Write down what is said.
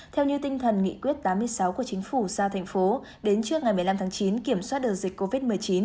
theo như tinh thần nghị quyết tám mươi sáu của chính phủ giao thành phố đến trước ngày một mươi năm tháng chín kiểm soát được dịch covid một mươi chín